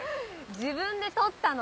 自分で採ったの！